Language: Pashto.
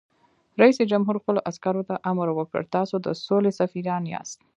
رئیس جمهور خپلو عسکرو ته امر وکړ؛ تاسو د سولې سفیران یاست!